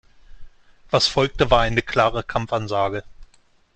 Was folgte, war eine klare Kampfansage.